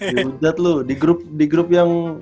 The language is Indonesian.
dihujat lu di grup yang